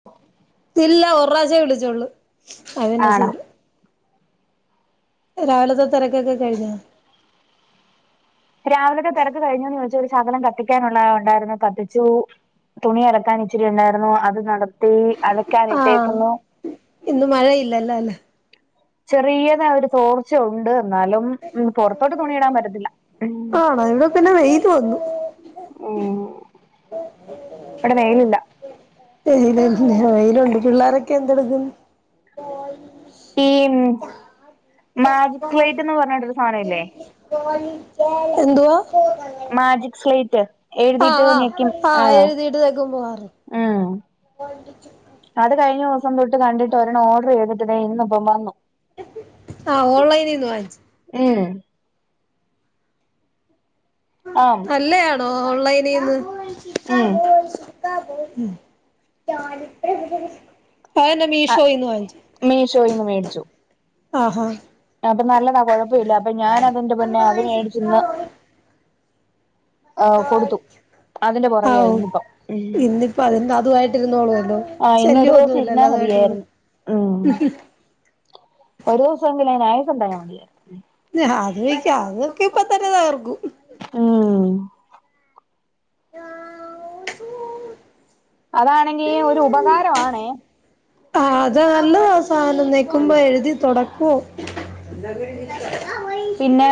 [inaudible] ഇല്ല ഒറു പ്രാവിശ്യ വിളിച്ചോളൂ അന്നെ ആണോ സീറ് രാവിലത്തെ തെരക്കൊക്കെ കഴിഞ്ഞാ രാവിലത്തെ തിരക്ക് കഴിഞ്ഞോന്ന് ചോദിച്ച ഒരു ശകലം കത്തിക്കാനുള്ള ഉണ്ടായിരുന്നു കത്തിച്ചൂ തുണി അലക്കാൻ ഇച്ചിരി ഉണ്ടായിരുന്നു അത് നടത്തി ആഹ് അലക്കാനിട്ടേക്കുന്നു ഇന്ന് മഴഇല്ലല്ലാലെ ചെറിയതാ ഒരു തോർച്ച ഉണ്ട് എന്നാലും പൊറത്തോട്ട് തുണിയിടാൻ പറ്റത്തില്ല ഉം ആണോ ഇവിടെ പിന്നെ വെയില് വന്നു ഉം ഇവിടെ വെയിലില്ല വെയിലുണ്ട് പിള്ളോരൊക്കെ എന്തെടുക്കുന്നു ഓ ശ് ഈ മാജിക് സ്ലേറ്റ് എന്ന് പറഞ്ഞിട്ടൊരു സാധനില്ലേ എന്തുവാ മാജിക് സ്ലേറ്റ് ആഹ എഴുതിയിട്ട് ആഹ ഞെക്കും ആ ആഹ് എഴുതീട്ട് തെക്കുമ്പോ മാറും ഉം [unintelligible] അത് കഴിഞ്ഞ ദിവസം തൊട്ട് കണ്ടിട്ട് ഒരണ്ണം ഓഡ്രറെയ്തിട്ടിട്ട് ഇന്ന്പ്പവന്നു ആഹ ഓൺലൈനിൽന്ന് വാങ്ങിച്ചു ഏഹ് അം നല്ലയാണോ ഓൺലൈനിന്ന് ഉം [unintelligible] അഅന്നെ മീഷോയീന്ന് വാങ്ങിച്ചേ മീഷോയിന്ന് മേടിച്ചു ആഹാ അപ്പൊ നല്ലതാ കൊഴപ്പമില്ല അപ്പൊ ഞാൻ തെന്റെപൊന്നേ അത് മേടിച്ചിന്ന് ആ കൊടുത്തു അതിന്റെ പുറകെയായി ഇന്ന് ഇപ്പം അപ്പഅതെന്താ അതുവായിട്ടിരുന്നോളുല്ലോ? ആ ഇന്നൊരു ദിവസം ഇരുന്നാ മതിയായിരുന്നു ഉം ഒരു ദിവസമെങ്കിലും അയ്ന് ആയുസ്ണ്ടായാ മതിയെരുന്ന് അത് വെക്ക അതൊക്കെ ഇപ്പതന്നെ തകർക്കും ഉം [inaudible] അതാണെങ്കി ഒരു ഉപകാരവാണേ ആ അത് നല്ലതാ സാധനം നീക്കുമ്പോ എഴുതി തുടക്കും പിന്നെ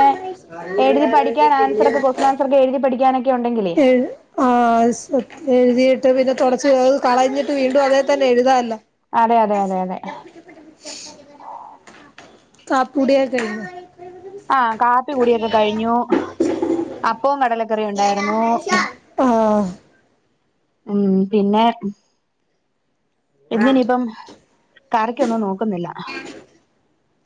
എഴുതി പഠിക്കാൻ ആൻസർൊക്കെ ക്വസ്റ്റൻ ആൻസർ ഒക്കെ എഴുതി പഠിക്കാനൊക്കെ ഉണ്ടെങ്കിലേ ആ എഴുതിട്ട് പിന്നെ തുടച്ചത് കളഞ്ഞിട്ട് വീണ്ടും അതേ തന്നെ എഴുതാല്ല. അതെ അതെ അതെ അതെ കാപ്പുടി ഓക്കേ കഴിഞ്ഞോ ആ കാപ്പി കൂടിയൊക്കെ കഴിഞ്ഞു. അപ്പവും കടലക്കറിയും ഉണ്ടായിരുന്നു ആഹ് ഉം പിന്നെ ഇന്ന് നിയിപ്പം കറിക്കൊന്നും നോക്കുന്നില്ല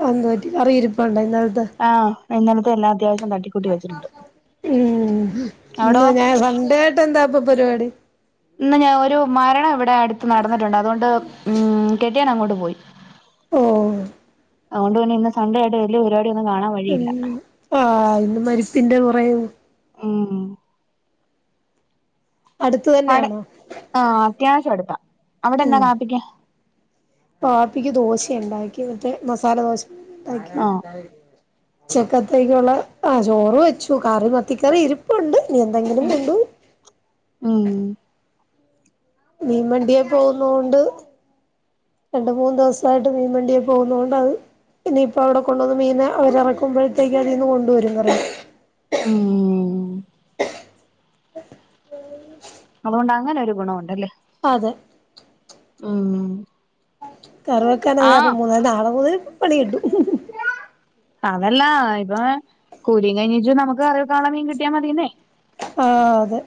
അതെന്ത് പറ്റി കറിയിരുപ്പ്ണ്ടോ ഇന്നാലത്തെ ആഇന്നലത്തെ എല്ലാം അത്യാവശ്യം തട്ടി കൂ ഉം അവിടോ ഇന്ന് ഞാൻ സൺഡേ ആയിട്ട് എന്താപ്പൊ പരിപാടി. ഇന്ന് ഞാൻ ഒരു മരണം ഇവിടെ അടുത്ത് നടന്നിട്ടുണ്ട്. അതുകൊണ്ട് ഉം കെട്ടിയോൻ അങ്ങോട്ട് പോയി. ഓ അതുകൊണ്ട് പിന്നെ ഇന്ന് സൺ‌ഡേ ആയിട്ട് വല്യ പരിപാടി ഒന്നും കാണാ ഉം ആ ഇന്ന് മരുപ്പിന്റെ പുറകെ പോയി ഉം അടുത്ത് തന്നെയണോ ആ അത്യാവശ്യം അടുത്താ അവിടെന്നാ ഉം കാപ്പിക്ക്. പാപ്പിക്ക് ദോശ ഉണ്ടാക്കി മറ്റേ മസാല ദോശ ഉണ്ടാക്കി ആഹ് ഉച്ചക്കത്തേക്കുള്ള ആ ചോറ് വെച്ചു കറി മത്തിക്കറി ഇരിപ്പുണ്ട് ഇനി എന്തെങ്കിലും ഉം കൊണ്ടു ഉം മീൻ വണ്ടിയെ പോകുന്നോണ്ട് രണ്ട് മൂന്ന് ദിവസായിട്ട് മീൻവണ്ടിയെ പോകുന്നോണ്ടത്. ഇനിയിപ്പം അവിടെ കൊള്ളത് മീനെ അവരിറക്കുമ്പോഴത്തേക്കതീന്ന് കൊണ്ടുവരുംന്നറിയാ ഉം അതുകൊണ്ട് അങ്ങനെ ഒരു ഗുണവുണ്ടല്ലേ? അതെ ആ കറിവെക്കാനത് കാരണം മൂന്ന നാളെ മുതൽ പണി കിട്ടും. അതല്ലാ ഇപ്പൊ കുലീം കഴിഞ്ഞിട്ട് നമുക്ക് കറിവെക്കാനുള്ളെ മീൻ കിട്ടിയാ മതീന്നേ ആ അതെ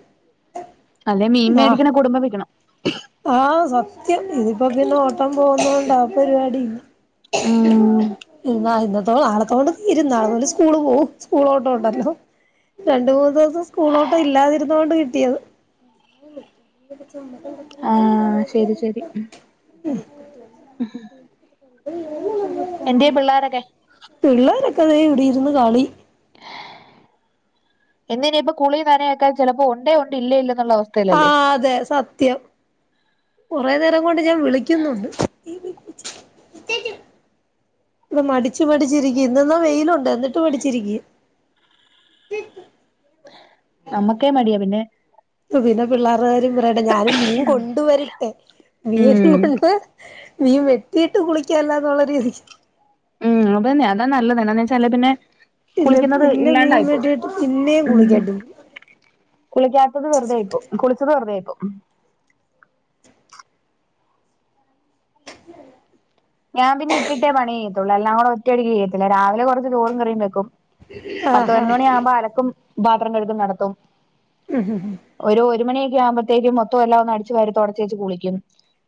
അല്ലെ മീൻ ആ വേടിക്കണെ കുടുംബം വിക്കണം ആ സത്യം ഇതിപ്പോ പിന്നെ ഓട്ടം പോകുന്നൊണ്ടാ പരിപാടി ഇല്ല. ഉം [inaudible] ഇന്നാ ഇന്നത്തോടെ നാളത്തോടെ തീരും ന്നാളോമുതൽ സ്കൂൾ പോവും സ്കൂളോട്ടം ഉണ്ടല്ലോ? രണ്ട് മൂന്ന് ദിവസം സ്കൂളോട്ടം ഇല്ലാതിരുന്ന കൊണ്ട് കിട്ടിയത്. [inaudible] ആ ശരി ശരി ഉം ഉം എന്തിയെ പിള്ളാരൊക്കെ? പിള്ളേരൊക്കെതെ ഇവിടെരുന്ന് കളി. ഇന്ന്നിയിപ്പോ കുളിയും നനയൊക്കെ ചിലപ്പോ ഉണ്ടേ ഉണ്ട് ഇല്ലെ ഇല്ലന്നുള്ള അവസ് ആ അതെ സത്യം കൊറെ നേരം കൊണ്ട് ഞാൻ വിളിക്കുന്നുണ്ട് ഇന്ന് മടിച്ചു മടിച്ചിരിക്ക ഇന്ന്ന്നാ വെയിലുണ്ട് എന്നിട്ടും മടിച്ചിരിക്ക. നമ്മുക്കേ മടിയാ പിന്നെ പ്പൊപിന്നെ പിള്ളേരുടെകാര്യം പറയട്ടെ ഞാനും മീൻ കൊണ്ട് വരട്ടെ ഉം മീനും കൊണ്ട് മീൻ വെട്ടിട്ട് കുളിക്കല്ലാന്നുള്ള രീതി- ഹ്മ്മ് അതന്നെ അതാ നല്ലത് എന്താന്നെച്ചാൽ എല്ലത്തിന്റെ ഇല്ല പിന്നെ മീൻ വെട്ടിട്ട് പിന്നെയും കുളിക്കട്ടേ കുളിക്കാത്തത് വെറ്തെ ആയി പോകും. കുളിച്ചത് വെറ്തെ ആയി പോകും ഞാൻ പിന്നെ ഇട്ടിട്ടേ പണി ചെയ്യത്തൊള്ളൂ, എല്ലാം കൂടെ ഒറ്റയടിക്ക് ചെയ്യത്തില്ല. രാവിലെ കൊറച്ച് ചോറും കറിയും ഉണ്ടാക്കും പത്ത് ആഹാ പതിനൊന്ന്മണിയാവുമ്പോ അലക്കും പാത്രം കഴുകൽ നടത്തും. ഹ്മ്മ് ഒരു ഒര് മണിയൊക്കെ ആകുമ്പോത്തേക്കും മൊത്തം എല്ലാം ഒന്ന് അടിച്ചു വാരി തൊടച്ചേച്ച് കുളിക്കും.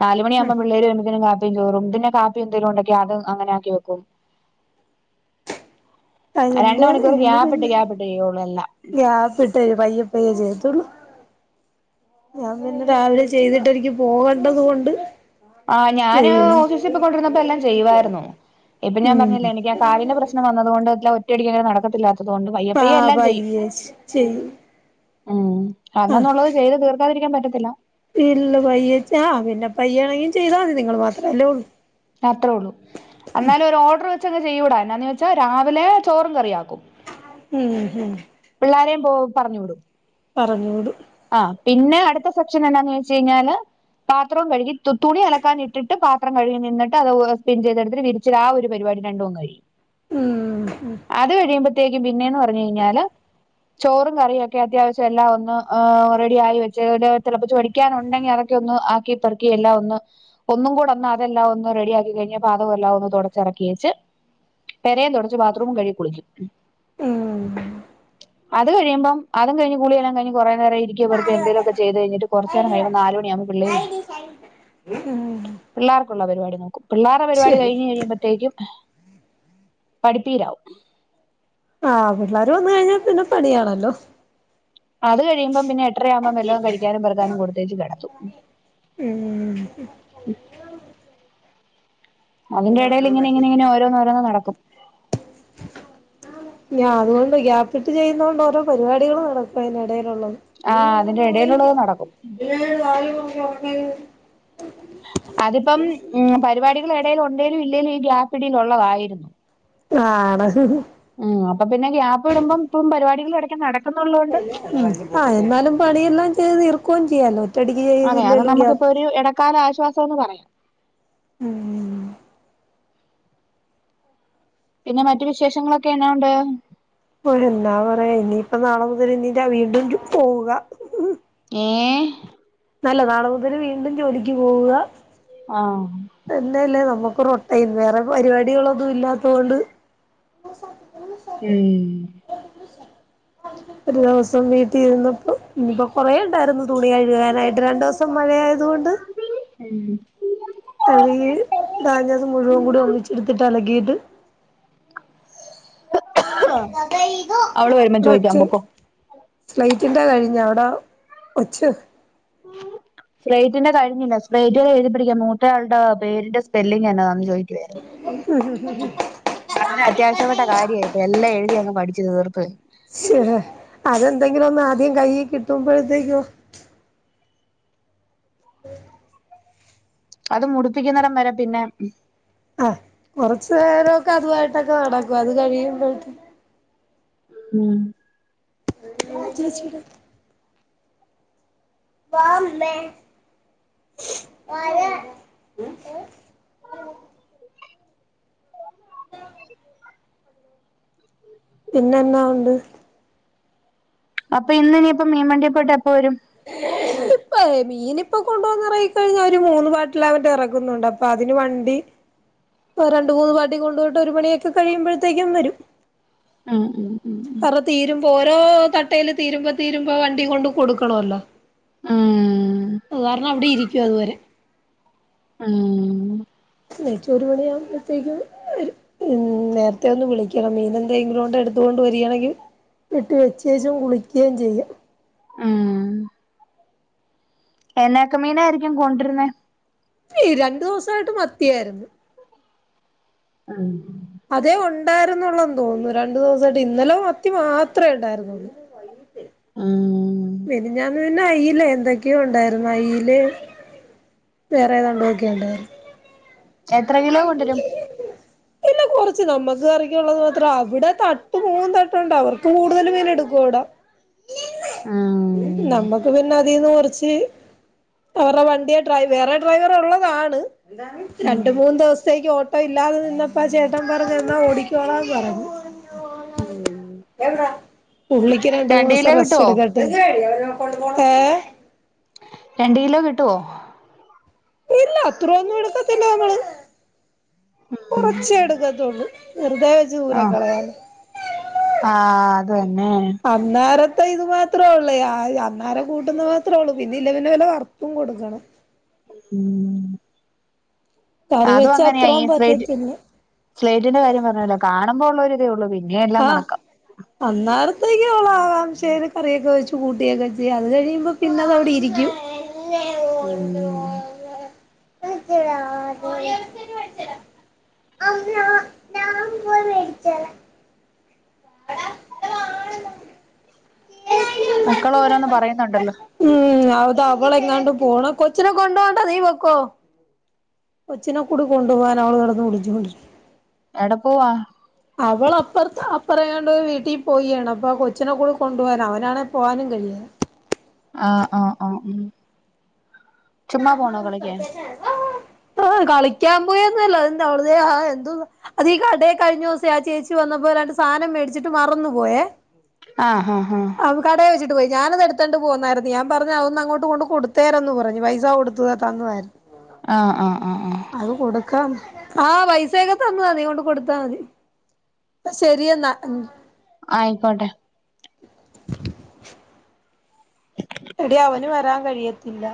നാല് മണിയാവുമ്പോ പിള്ളേര് വരുമ്പോത്തിനും കാപ്പീ ചോറും. പിന്നെ കാപ്പി എന്തെലുണ്ടെങ്കി അതും അങ്ങനെ ആക്കി വെക്കും. രണ്ട് അതിന്റെ മണിക്കൂറ് ഇന്ന് ഗ്യാപ്പിട്ട് ഗ്യാപ്പിട്ട് ചെയ്യൊള്ളൂ എല്ലാം ദേ പയ്യേ പയ്യേ ചെയ്യത്തുള്ളൂ ഞാൻ ഇന്ന് രാവിലെ ചെയ്തിട്ട് എനിക്ക് പോകണ്ടത് കൊണ്ട് ആ ഞാന് ചെയ്യും ഓഫീസിൽപ്പൊയ്ക്കോണ്ടിരുന്നപ്പോ എല്ലാം ചെയ്യുവായിരുന്നു ഇപ്പൊ ഞാൻ ഉം പറഞ്ഞില്ലേ എനിക്ക് ആ കാലിന്റെ പ്രശ്- പ്രശ്നം വന്നതുകൊണ്ടും എല്ലാം ഒറ്റയടിക്കങ്ങനെ നടക്കത്തില്ലാത്തതുകൊണ്ടും പയ്യെ ആ പയ്യെ എല്ലാം ചെയ്യും. പയ്യെ ചെയ്യും ഹ്മ്മ്, ആ അന്നന്നുള്ളത് ചെയ്ത് തീർക്കാതിരിക്കാൻ പറ്റത്തില്ല. ഇല്ല പയ്യെച്ചാ പിന്നെ പയ്യെണെങ്കിലും ചെയ്താൽ മതി നിങ്ങള് മാത്രല്ലേ ഉള്ളൂ. അത്രേ ഉള്ളൂ എന്നാലും ഒരു ഓർഡർ വെച്ചങ്ങ് ചെയ്യൂടാ എന്നാന്ന് വെച്ചാ രാവിലെ ചോറും കറിയാക്കും ഹ്മ്മ് മ് പിള്ളാരെയും പോ പറഞ്ഞ് വിടും. പറഞ്ഞ് വിടും. ആ പിന്നെ അടുത്ത സെക്ഷൻ എന്നാന്ന് ചോദിച്ച് കഴിഞ്ഞാല് പാത്രോം കഴുകി തു തുണി അലക്കാൻ ഇട്ടിട്ട് പാത്രം കഴുകി നിന്നിട്ട് അത് ഒ സ്പിൻ ചെയ്തെടുത്ത് വിരി [unintelligible] ആ ഒരു പരിപാടി രണ്ടുവങ്ങ് കഴിയും ഹ്മ്മ് മ് അത് കഴിയുമ്പോത്തേക്കും പിന്നെന്ന് പറഞ്ഞ് കഴിഞ്ഞാല് ചോറും കറിയും ഒക്കെ അത്യാവിശ്യം എല്ലാം ഒന്ന് ഏഹ് റെഡി ആയി വെച്ച് പിന്നെ തെളപ്പിച്ച് [unintelligible] അടിക്കാനുണ്ടെങ്കി അതൊക്കെ ഒന്ന് ആക്കി പെറുക്കി എല്ലാം ഒന്ന് ഒന്നും കൂടെ ഒന്ന് അതെല്ലാം ഒന്ന് റെഡിയാക്കി കഴിഞ്ഞ് പാദകമെല്ലാം ഒന്ന് തൊടച്ചെറക്കിയേച്ച് പെരയും തുടച്ച് ബാത്റൂമും കഴുകി കുളിക്കും ഉം അത് കഴിയുമ്പം അതും കഴിഞ്ഞ് കുളിയെല്ലാം കഴിഞ്ഞ് കുറെ നേരം ഇരിക്കെ പെറുക്കെ എന്തെലൊക്കെ ചെയ്തഴിഞ്ഞിട്ട് കൊറെച്ചേരം കഴിയുമ്പോ നാലു മണിയാകുമ്പോ പിള്ളേര് വരും. [unintelligible] ഉം പിള്ളാർക്കുള്ള പെരുപാടി നോക്കും. പിള്ളാരെ പെരുപാടി ശരി കഴിഞ്ഞ് കഴിയുമ്പോത്തേക്കും പഠിപ്പീരാവും. ആഹ് പിള്ളാര് വന്ന് കഴിഞ്ഞാൽ പിന്നെ പണിയാണല്ലോ അത് കഴിയുമ്പം പിന്നെ എട്ടരയാകുമ്പോ വല്ലോം കഴിക്കാനും പെറുക്കാനും കൊടുത്തേച്ച് കെടത്തും. ഉം അതിന്റെ ഇടയിൽ ഇങ്ങനെങ്ങനെങ്ങനെ ഓരോന്ന് ഓരോന്ന് നടക്കും മ്മേ ഞാൻ അതുകൊണ്ട് ഗ്യാപ്പിട്ട് ചെയ്യുന്നോണ്ട് ഓരോ പരിപാടികളും നടക്കും അതിനിടയിലുള്ളത് ആ നീ അതിന്റെ കിടന്നുറങ്ങിക്കോ ഇടയിലുള്ളത് നടക്കും നിന്നോട് ആര് പറഞ്ഞു ഉറങ്ങരു അതിപ്പം ഉം പരിപാടികൾ എടേലു ഉണ്ടേലും ഇല്ലേലും ഈ ഗ്യാപ്പിടിൽ ഉള്ളതായിരുന്നു ആണോ ഉം അപ്പൊ പിന്നെ ഗ്യാപ്പിടുമ്പം ഇപ്പം പരിപാടികളും ഇടയ്ക്ക് നടക്കും ഹ്മ്മ്, ആഹ് എന്നാലും പണിയെല്ലാം ചെയ്ത് തീർക്കുകയും ചെയ്യാലോ ഒറ്റയടിക്ക് അതെ അത് ചെയ്തില്ലേലും ഗ്യാപ് നമുക്കിപ്പൊരു എടക്കാല ആശ്വാസം എന്ന് പറയാം. ആഹ് പിന്നെ മറ്റ് വിശേഷങ്ങളൊക്കെ എന്നാ ഉണ്ട്. ഓ എന്താ പറയാ ഇനിയിപ്പം നാളെ മുതൽ ഇനി വീണ്ടും പോവുക. ഏഹ് അല്ല നാളെ മുതൽ വീണ്ടും ജോലിക്ക് പോവുക ആഹ തന്നെയല്ലേ നമ്മുക്ക് റൊടീൻ വേറെ പരിപാടികളൊന്നും ഇല്ലാത്ത കൊണ്ട് [unintelligible] ഉം അ [inaudible] ഒരു ദിവസം വീട്ടിൽ ഇരുന്നപ്പോൾ ഇന്നിപ്പോൾ കുറെഉണ്ടായിരുന്നു തുണി കഴുകാനായിട്ട് രണ്ട് ദിവസം മഴ ആയതുകൊണ്ട് മ്മ്ഹ് കഴുകി താഞ്ഞത് മുഴുവൻ കൂടി ഒന്നിച്ചിടുത്തിട്ട് അലക്കിയിട്ട് ഇവരുടെ അവള് വരുമ്പം ചോദിക്കാം അച്ഛൻ പൊക്കോ സ്ലൈറ്റിന്റെ കഴിഞ്ഞ അവിടെ ഒച്ച് [inaudible] സ്രേറ്റിന്റെ കഴിഞ്ഞില്ല സ്രേറ്റേ എഴുതി പടിക്കൻ മൂത്തയാളുടെ പേരിന്റെ സ്പെല്ലിംഗ് എന്നതാന്ന് ചോദിക്കുവായിരുന്നു മ്മ്ഹ് മ്മ്ഹ് വളരെ അത്യാവശ്യപ്പെട്ട കാര്യാ ഇത്. എല്ലാം എഴുതി അങ്ങ് പഠിച്ച് തീർപ്പ് ശ് ഹേ അതെന്തെങ്കിലും ഒന്ന് ആദ്യം കയ്യി കിട്ടുമ്പൊഴത്തേക്കു ഉ അത് മുടിപ്പിക്കുന്നടം വരെ പിന്നെ ആ കുറച്ചു നേരമൊക്കെ അതുമായിട്ടൊക്കെ നടക്കും അത് കഴിയുമ്പോ ഉം ചേച്ചീടെ പൊ അമ്മേ വരാൻ പിന്നെ എന്നാ ഉണ്ട് അപ്പൊ ഇന്ന് ഇനിപ്പ മീൻവണ്ടിയിൽ പോയിട്ട് എപ്പോ വരും [inaudible] ഇപ്പ മീനിപ്പൊ കൊണ്ടുവന്നെറങ്ങിക്കഴിഞ്ഞാ ഒരു മൂന്ന് പാട്ടിൽ അവരെറക്കുന്നുണ്ട്. അപ്പൊ അതിന് വണ്ടി രണ്ടു മൂന്ന് പാട്ടി കൊണ്ടു പോയ്ട്ട് ഒരു മണിയൊക്കെ കഴിയുമ്പഴത്തേക്കും വരും ഉം ഉം ഉം ഉം കാരണം തീരുമ്പോ ഓരോ തട്ടേയില് തീരുമ്പോ തീരുമ്പോ വണ്ടി കൊണ്ട് കൊടുക്കണല്ലോ ഉം അത് കാരണം അവിടെ ഇരിക്കും അതുവരെ ഉം ഉം നെയ്‌ച്ചോർ ഒരു മണിയാകുമ്പോഴത്തേക്കും വരും ഉം നേരത്തെ ഒന്ന് വിളിക്കണം മീന എന്തെങ്കിലുംണ്ടെ എടുത്തൊണ്ട് വരികയാണെങ്കിൽ വെട്ടി വെച്ചേച്ചും കുളിക്കുകയും ചെയ്യാം ഉം എന്നൊക്കെ മീനായിരിക്കും കൊണ്ടിരുന്നേ രണ്ടു ദിവസായിട്ട് മത്തിയായിരുന്നു ആഹ അതേ ഉണ്ടായിരുന്നുള്ളുന്ന് തോന്നുന്നു രണ്ടു ദിവസായിട്ട്, ഇന്നലെ മത്തി മാത്രേണ്ടായിരുന്നുള്ളു ആഹ മെനഞ്ഞാന്ന് പിന്നെ അയില എന്തൊക്കെയോ ഉണ്ടായിരുന്നു അയില് വേറേതാണ്ടൊക്കെ എത്ര കിലോ ണ്ടാകും കൊണ്ടുവരും ഇല്ല കുറച്ച് നമ്മുക്ക് കറിക്കുള്ളത് മാത്രം. അവിടെ തട്ട് മൂന്ന് തട്ടുണ്ട്, അവർക്ക് കൂടുതൽ മീന എടുക്കുക ഇവിടാ ആഹ നമ്മുക്ക് പിന്നെ അതിൽന്ന് കുറച്ച് അവരുടെ വണ്ടിയ വേറെ ഡ്രൈവർള്ളതാണ് ഉം രണ്ട് മൂന്ന് ദിവസത്തേക്ക് ഇപ്പ ഇല്ലാതെ നിന്നപ്പോ ആ ചേട്ടൻ പറഞ്ഞ എന്നാ ഓടിക്കോണന്ന് പറഞ്ഞു എന്ന പുള്ളിക്ക് രണ്ട് മൂന്ന് കിലോ ദിവസം റസ്റ്റ് കിട്ടുവോ എടുക്കാ [unintelligible] രണ്ട് കിലോ കിട്ടുവോ ഇല്ല അത്ര ഒന്നും എടുക്കത്തില്ല നമ്മള് കൊറച്ചേ എടുക്കത്തൊള്ളു. വെറുതെവെച്ച് ആഹ് ആ അത് തന്നെ അന്നേരത്തെ ഇത് മാത്രമേ ഉള്ളു അന്നേരം കൂട്ടുന്നത് മാത്രേ ഉള്ളൂ പിന്നെ ഇല്ലെ പിന്നെ വല്ല വറുത്തും കൊടുക്കണം ഉം കറി അതും വെച്ച അങ്ങനെയാ ഈ അത്രയും സ്ട്രേറ്റ് പറ്റത്തില്ല സ്ലേറ്റിന്റെ കാര്യം പറഞ്ഞല്ലോ കാണുമ്പോ ഉള്ള ഒരിതേ ഉള്ളൂ പിന്നെയെല്ലാം ആഹ് കണക്കാം അന്നേരത്തേക്ക് അവള് ആകാംക്ഷയില് കറിയൊക്കെ വെച്ചു കൂട്ടിയൊക്കെ വെച്ച് അത് കഴിയുമ്പോ പിന്നതവിടിരിക്കും ഉം കോഴിയിറച്ചി തന്നെ മേടിച്ചു തരാം [inaudible] എടാ [unintelligible] ആണ് മക്കളോരോന്നു പറയുന്നുണ്ടല്ലോ ഉം അത് അവളെങ്ങാണ്ട് പോണം കൊച്ചിനെ കൊണ്ട്പോണ്ട നീ പൊക്കോ കൊച്ചിനെ കൂടി കൊണ്ടു പോകാൻ അവള് കിടന്ന് വിളിച്ചുകൊണ്ടിരിക്കുന്നു. എടെ പോവാ? അവള് അപ്പുറത്താ അപ്പറേയാണ്ട് വീട്ടിൽ പോയിയാണ് അപ്പം കൊച്ചിനെ കൂടെ കൊണ്ടു പോകാനാ അവനാണേ പോകാനും കഴിയേല്ല ആഹ് ആഹ് ആഹ് ഉം ചുമ്മാ പോണോ കളിക്കാൻ കളിക്കാൻ പോയന്നല്ലോ എന്താ വെറുതെ ഹാ എന്തോന്ന് അത് ഈ കടയിൽകഴിഞ്ഞ ദിവസേ ആ ചേച്ചി വന്നപ്പോ രണ്ട് സാനം മേടിച്ചിട്ട് മറന്നു പോയേ ആഹ് ആഹ് ആഹ് അവൻ കടേൽ വെച്ചിട്ടു പോയി ഞാനത് എടുത്തോണ്ട് പോന്നായിരുന്നു ഞാൻ പറഞ്ഞതൊന്ന് അങ്ങോട്ട് കൊണ്ടു കൊടുത്തേരന്ന് പറഞ്ഞു പൈസ കൊടുത്ത് തുക തന്നതായിരുന്നു ആഹ് ആഹ് ആഹ് ആഹ് അത് കൊടുക്കാം ആ പൈസയൊക്കെ തന്നതാ നീ കൊണ്ട് കൊടുത്താൽ മതി അപ്പം ശരിയെന്നാ ഉം ആയിക്കോട്ടെ എടീ അവന് വരാൻ കഴിയ ഇല്ലാ